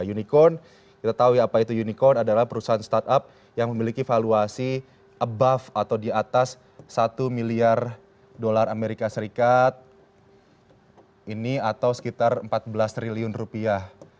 unicorn kita tahu ya apa itu unicorn adalah perusahaan startup yang memiliki valuasi above atau di atas satu miliar dolar amerika serikat ini atau sekitar empat belas triliun rupiah